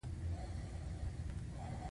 د ګاما وړانګې تر ټولو خطرناکې دي.